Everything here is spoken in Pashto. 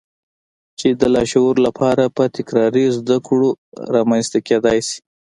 چې د لاشعور لپاره په تکراري زدهکړو رامنځته کېدای شي.